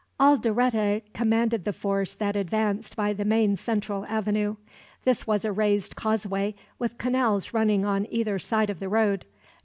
Alderete commanded the force that advanced by the main central avenue. This was a raised causeway, with canals running on either side of the road.